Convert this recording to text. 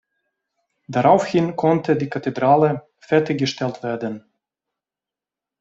Daraufhin konnte die Kathedrale fertiggestellt werden.